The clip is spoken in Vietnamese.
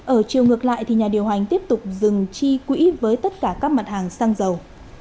ở chiều ngược lại nhà điều hành tiếp tục dừng chi quỹ với tất cả các mặt hàng xăng dầu